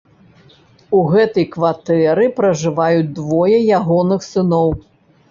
У гэтай кватэры пражываюць двое ягоных сыноў.